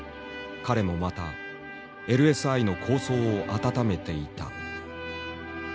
彼もまたＬＳＩの構想を温めていた。